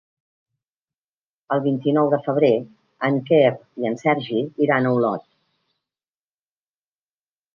El vint-i-nou de febrer en Quer i en Sergi iran a Olot.